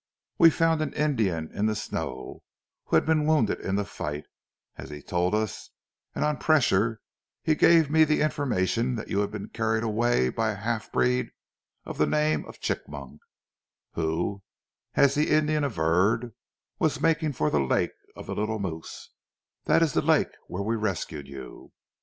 "We found an Indian in the snow, who had been wounded in the fight, as he told us, and on pressure he gave me the information that you had been carried away by a half breed of the name of Chigmok, who, as the Indian averred, was making for the lake of the Little Moose, that is the lake where we rescued you.